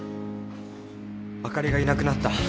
あかりがいなくなった。